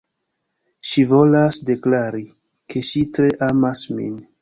Ŝi volas deklari, ke ŝi tre amas min